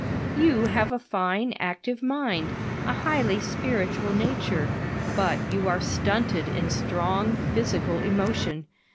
You have a fine, active mind, a highly spiritual nature, but you are stunted in strong, physical emotion.